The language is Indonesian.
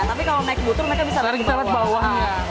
tapi kalau naik butur mereka bisa melihat bawah